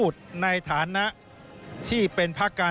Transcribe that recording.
ส่วนต่างกระโบนการ